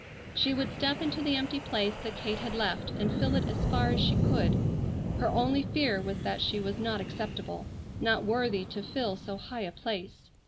She would step into the empty place that Kate had left and fill it as far as she could. Her only fear was that she was not acceptable, not worthy to fill so high a place.